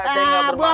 saya gak berpaksa